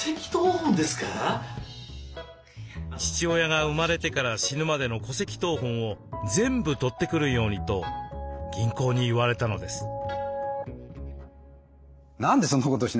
父親が生まれてから死ぬまでの戸籍謄本を全部取ってくるようにと銀行に言われたのです。